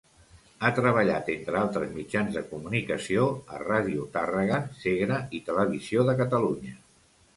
Ha treballat, entre altres mitjans de comunicació, a Ràdio Tàrrega, Segre i Televisió de Catalunya.